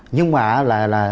nhưng mà là